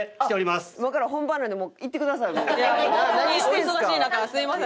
お忙しい中すみません。